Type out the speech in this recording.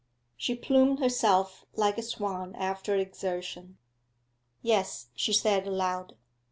She plumed herself like a swan after exertion. 'Yes,' she said aloud.